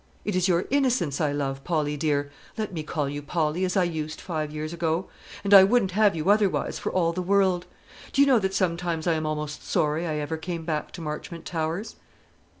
It is your innocence I love, Polly dear, let me call you Polly, as I used five years ago, and I wouldn't have you otherwise for all the world. Do you know that sometimes I am almost sorry I ever came back to Marchmont Towers?"